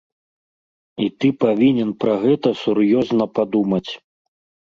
І ты павінен пра гэта сур'ёзна падумаць.